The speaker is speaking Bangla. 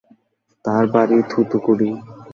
তার বাড়ি থুথুকুডি।